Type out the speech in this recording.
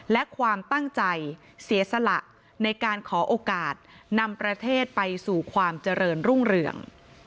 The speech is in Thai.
และความตั้งใจเสียสละในการขอโอกาสนำประเทศไปสู่ความเจริญรุ่งเรือง